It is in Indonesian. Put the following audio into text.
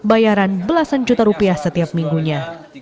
bayaran belasan juta rupiah setiap minggunya